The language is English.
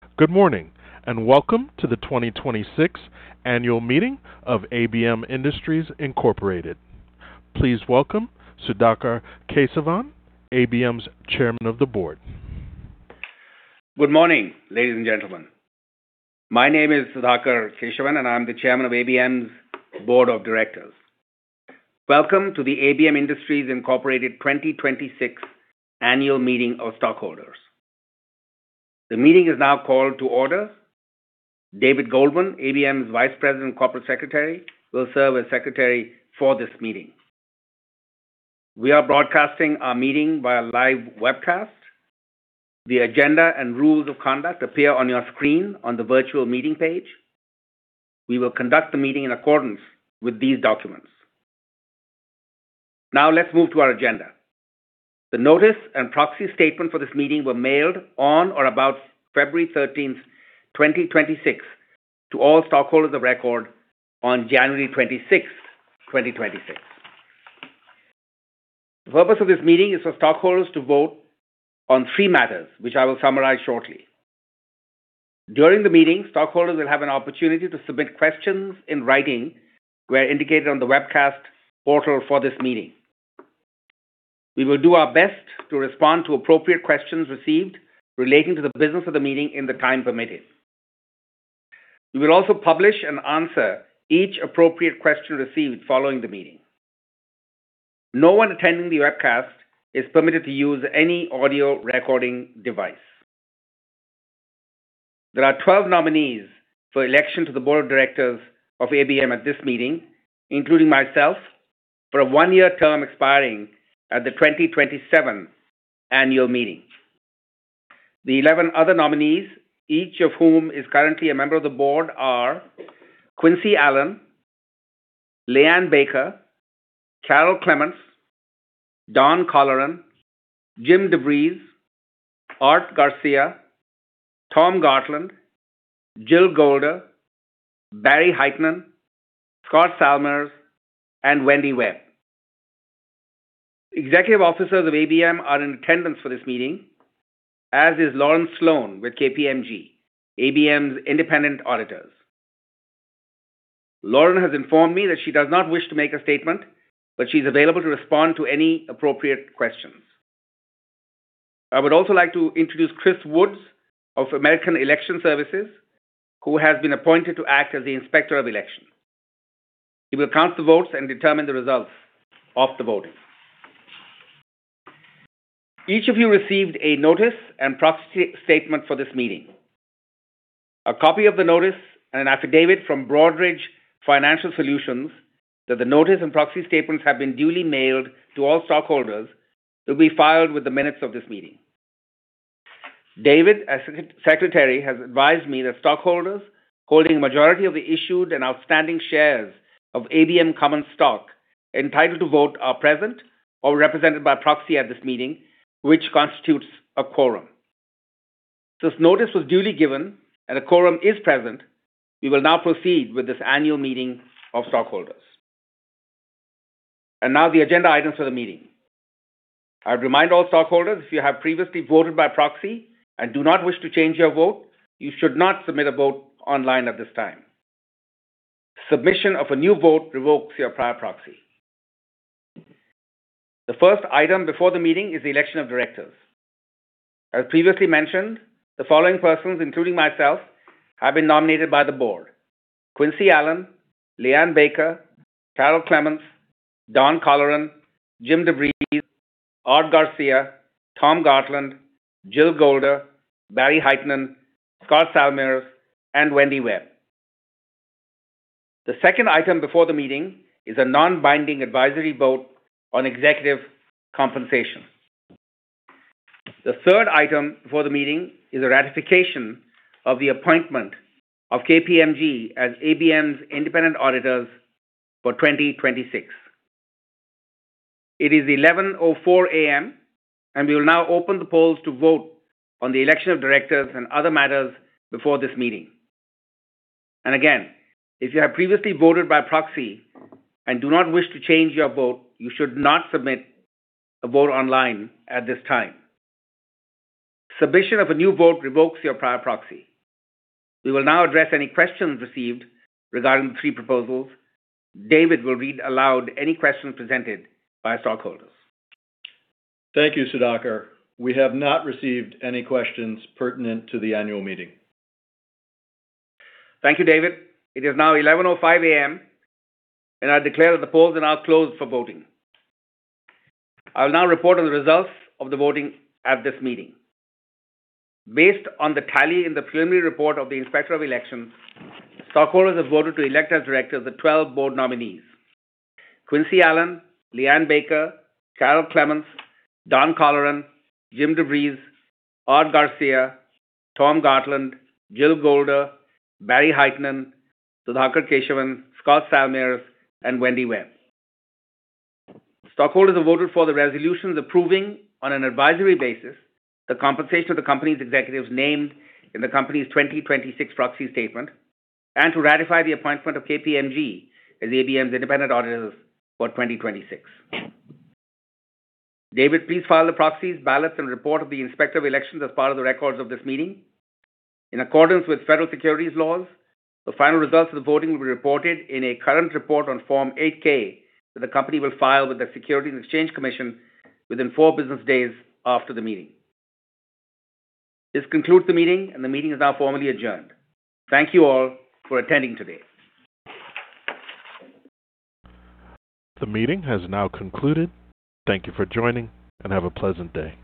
Good morning, and welcome to the 2026 annual meeting of ABM Industries Incorporated. Please welcome Sudhakar Kesavan, ABM's Chairman of the Board. Good morning, ladies and gentlemen. My name is Sudhakar Kesavan, and I'm the chairman of ABM's board of directors. Welcome to the ABM Industries Incorporated 2026 annual meeting of stockholders. The meeting is now called to order. David Goldman, ABM's Vice President and Corporate Secretary, will serve as secretary for this meeting. We are broadcasting our meeting via live webcast. The agenda and rules of conduct appear on your screen on the virtual meeting page. We will conduct the meeting in accordance with these documents. Now let's move to our agenda. The notice and proxy statement for this meeting were mailed on or about February 13, 2026, to all stockholders of record on January 26, 2026. The purpose of this meeting is for stockholders to vote on three matters, which I will summarize shortly. During the meeting, stockholders will have an opportunity to submit questions in writing where indicated on the webcast portal for this meeting. We will do our best to respond to appropriate questions received relating to the business of the meeting in the time permitted. We will also publish and answer each appropriate question received following the meeting. No one attending the webcast is permitted to use any audio recording device. There are 12 nominees for election to the board of directors of ABM at this meeting, including myself, for a one-year term expiring at the 2027 annual meeting. The 11 other nominees, each of whom is currently a member of the board, are Quincy Allen, LeighAnne Baker, Carol Clements, Don Colleran, Jim DeVries, Art Garcia, Tom Gartland, Jill Golder, Barry Hytinen, Scott Salmirs, and Wendy Webb. Executive officers of ABM are in attendance for this meeting, as is Lauren Sloan with KPMG, ABM's independent auditors. Lauren has informed me that she does not wish to make a statement, but she's available to respond to any appropriate questions. I would also like to introduce Chris Woods of American Election Services, who has been appointed to act as the Inspector of Election. He will count the votes and determine the results of the voting. Each of you received a notice and proxy statement for this meeting. A copy of the notice and an affidavit from Broadridge Financial Solutions that the notice and proxy statements have been duly mailed to all stockholders will be filed with the minutes of this meeting. David, as Secretary, has advised me that stockholders holding majority of the issued and outstanding shares of ABM common stock entitled to vote are present or represented by proxy at this meeting, which constitutes a quorum. Since notice was duly given and a quorum is present, we will now proceed with this annual meeting of stockholders. Now the agenda items for the meeting. I would remind all stockholders, if you have previously voted by proxy and do not wish to change your vote, you should not submit a vote online at this time. Submission of a new vote revokes your prior proxy. The first item before the meeting is the election of directors. As previously mentioned, the following persons, including myself, have been nominated by the board. Quincy Allen, LeighAnne Baker, Carol Clements, Don Colleran, Jim DeVries, Art Garcia, Tom Gartland, Jill Golder, Barry Hytinen, Scott Salmirs, and Wendy Webb. The second item before the meeting is a non-binding advisory vote on executive compensation. The third item before the meeting is a ratification of the appointment of KPMG as ABM's independent auditors for 2026. It is 11:04 A.M., and we will now open the polls to vote on the election of directors and other matters before this meeting. Again, if you have previously voted by proxy and do not wish to change your vote, you should not submit a vote online at this time. Submission of a new vote revokes your prior proxy. We will now address any questions received regarding the three proposals. David will read aloud any questions presented by stockholders. Thank you, Sudhakar. We have not received any questions pertinent to the annual meeting. Thank you, David. It is now 11:05 A.M., and I declare that the polls are now closed for voting. I will now report on the results of the voting at this meeting. Based on the tally in the preliminary report of the Inspector of Elections, stockholders have voted to elect as directors the 12 board nominees, Quincy Allen, LeighAnne Baker, Carol Clements, Don Colleran, Jim DeVries, Art Garcia, Tom Gartland, Jill Golder, Barry Hytinen, Sudhakar Kesavan, Scott Salmirs, and Wendy Webb. Stockholders have voted for the resolutions approving, on an advisory basis, the compensation of the company's executives named in the company's 2026 proxy statement and to ratify the appointment of KPMG as ABM's independent auditors for 2026. David, please file the proxies, ballots, and report of the Inspector of Elections as part of the records of this meeting. In accordance with federal securities laws, the final results of the voting will be reported in a current report on Form 8-K that the company will file with the Securities and Exchange Commission within four business days after the meeting. This concludes the meeting, and the meeting is now formally adjourned. Thank you all for attending today. The meeting has now concluded. Thank you for joining, and have a pleasant day.